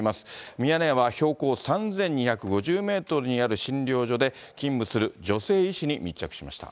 ミヤネ屋は標高３２５０メートルにある診療所で勤務する女性医師に密着しました。